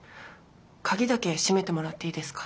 鍵だけ閉めてもらっていいですか？